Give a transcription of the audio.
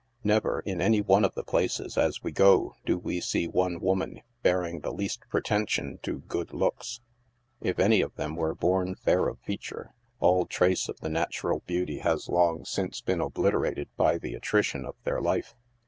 Never, in any one of the places, as we go, do we see one woman bearing the least pretension to good looks. If any of them were born fair of feature, all trace of the natural beauty has long since been obliterated by the attrition of their life.